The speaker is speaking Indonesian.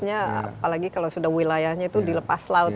apalagi kalau sudah wilayahnya itu dilepas laut